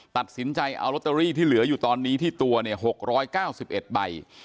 ตัดสินใจเอาลอตเตอรี่ที่เหลืออยู่ตอนนี้ที่ตัวเนี่ย๖๙๑ใบ